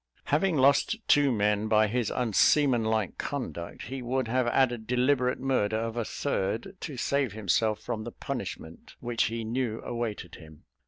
Having lost two men by his unseamanlike conduct, he would have added deliberate murder of a third, to save himself from the punishment which he knew awaited him.